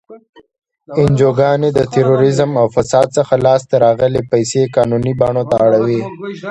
انجوګانې د تروریزم او فساد څخه لاس ته راغلی پیسې قانوني بڼو ته اړوي.